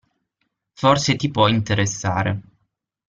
Forse ti può interessare.